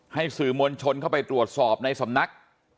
ให้สื่อมวลชนเข้าไปตรวจสอบในสำนัก